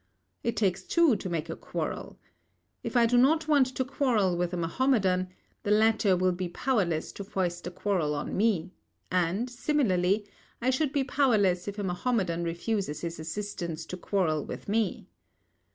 It takes two to make a quarrel. If I do not want to quarrel with a Mahomedan, the latter will be powerless to foist a quarrel on me, and, similarly, I should be powerless if a Mahomedan refuses his assistance to quarrel with me.